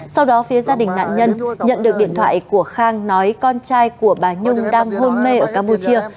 sau đó phía gia đình nạn nhân nhận được điện thoại của khang nói con trai của bà nhung đang hôn mê ở campuchia